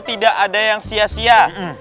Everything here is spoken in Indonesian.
tidak ada yang sia sia